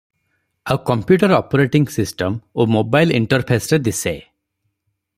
ଆଉ computer operating system ଓ mobile ଇଣ୍ଟରଫେସରେ ଦିଶେ ।